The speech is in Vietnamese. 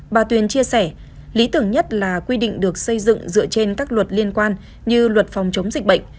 bà tuyên chia sẻ lý tưởng nhất là quy định được xây dựng dựa trên các luật liên quan như luật phòng chống dịch bệnh